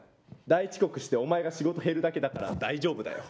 大遅刻してお前が仕事減るだけだから大丈夫だよ。